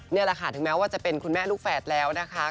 นี่แหละค่ะถึงแม้ว่าจะเป็นคุณแม่ลูกแฝดแล้วนะคะ